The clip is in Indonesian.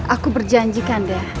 aku berjanji kanda